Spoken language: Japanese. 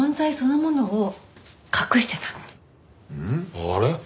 あれ？